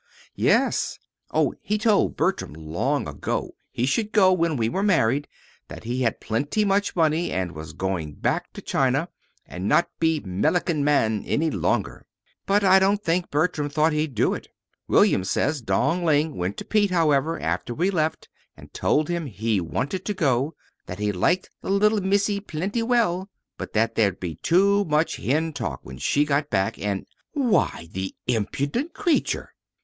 "Yes. Oh, he told Bertram long ago he should go when we were married; that he had plenty much money, and was going back to China, and not be Melican man any longer. But I don't think Bertram thought he'd do it. William says Dong Ling went to Pete, however, after we left, and told him he wanted to go; that he liked the little Missee plenty well, but that there'd be too much hen talk when she got back, and " "Why, the impudent creature!"